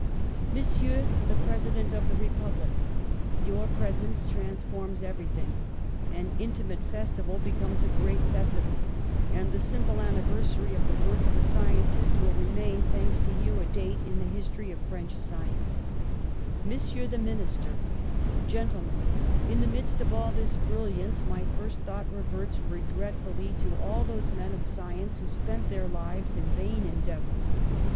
"Monsieur the President of the Republic: Your presence transforms everything; an intimate festival becomes a great festival, and the simple an niversary of the birth of a scientist will remain, thanks to you, a date in the history of French sci ence. V THE SUPREME HOMAGE 201 "Monsieur the Minister: "Gentlemen : In the midst of all this brilliance my first thought reverts regretfully to all those men of science who spent their lives in vain endeavours.